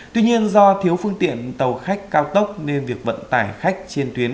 tuy nhiên do thiếu phương tiện tàu khách cao tốc nên việc vận tải khách trên tuyến